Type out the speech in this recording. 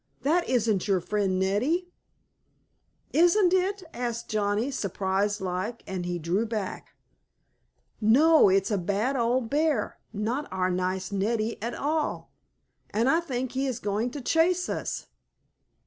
That isn't your friend Neddie!" "Isn't it?" asked Johnnie, surprised like, and he drew back. "No, it's a bad old bear not our nice Neddie, at all! And I think he is going to chase us!